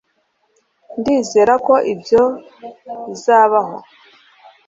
ndizera ko ibyo bizabaho